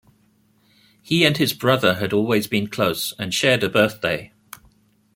He and his brother had always been close, and shared a birthday.